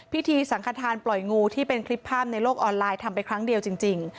พิธีสังขทานปล่อยงูที่เป็นคลิปภาพในโลกออนไลน์ทำไปครั้งเดียวจริง